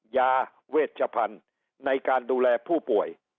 ยาเวชพันธุ์ในการดูแลผู้ป่วย